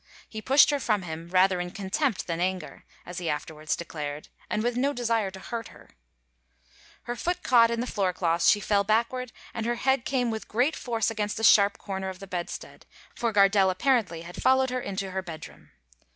He pushed her from him, "rather in contempt than anger," as he afterwards declared, "and with no desire to hurt her;" her foot caught in the floor cloth, she fell backward, and her head came with great force against a sharp corner of the bedstead, for Gardelle apparently had followed her into her bedroom.